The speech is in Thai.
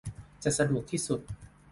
จะสะดวกที่สุด